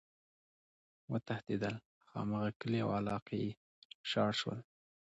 وتښتيدل!! هماغه کلي او علاقي ئی شاړ شول،